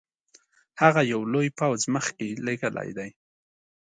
هغه یو لوی پوځ مخکي لېږلی دی.